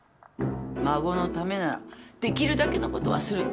孫のためならできるだけのことはする。